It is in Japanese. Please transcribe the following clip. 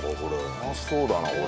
うまそうだなこれ。